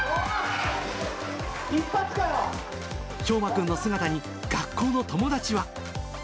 兵真君の姿に、学校の友達は。